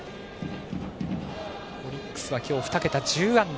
オリックスは今日２桁１０安打。